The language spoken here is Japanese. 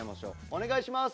お願いします。